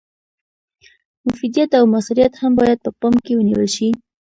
مفیدیت او مثمریت هم باید په پام کې ونیول شي.